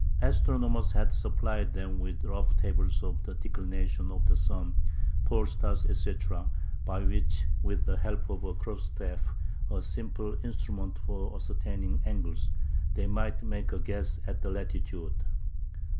Astronomers had supplied them with rough tables of the declination of the sun, pole star, etc., by which, with the help of a cross staff,—a simple instrument for ascertaining angles,—they might make a guess at the latitude.